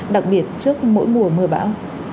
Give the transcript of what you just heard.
đặc biệt trước mỗi mùa mưa bão